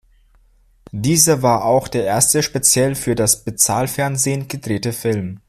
Dieser war auch der erste speziell für das Bezahlfernsehen gedrehte Film.